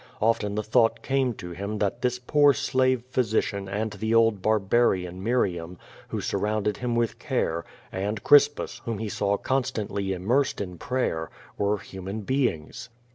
Often the thought came to him that this poor slave pnysician and the old barbarian Miriam, who surrounded him with care, and Crispus, whom he saw constantly im mersed in prayer, were human beings.